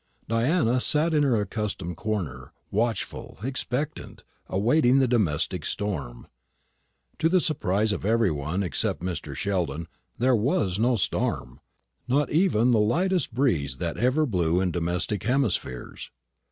Diana sat in her accustomed corner, watchful, expectant, awaiting the domestic storm. To the surprise of every one except Mr. Sheldon, there was no storm, not even the lightest breeze that ever blew in domestic hemispheres.